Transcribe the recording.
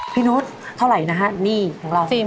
นุษย์เท่าไหร่นะฮะหนี้ของเรา